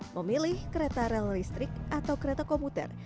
memilih kereta rel listrik atau kereta komuter